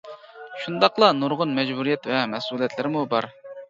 شۇنداقلا نۇرغۇن مەجبۇرىيەت ۋە مەسئۇلىيەتلىرىمۇ بار.